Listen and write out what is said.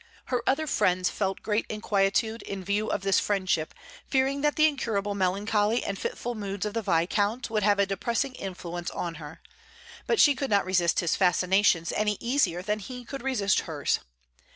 Her other friends felt great inquietude in view of this friendship, fearing that the incurable melancholy and fitful moods of the Viscount would have a depressing influence on her; but she could not resist his fascinations any easier than he could resist hers.